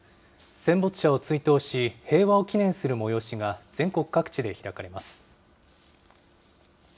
戦没者を追悼し、平和を祈念する催しが全国各地で開かれます。